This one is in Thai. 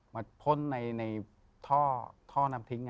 พ่นในท่อน้ำทิ้ง